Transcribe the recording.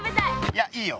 いやいいよ。